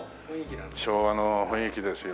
昭和の雰囲気なんですよ。